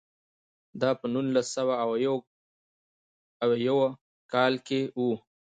دا په نولس سوه اویاووه کال کې و.